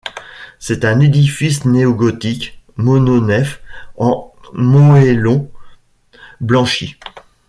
C'est un édifice néo-gothique, mononef en moëllons blanchis.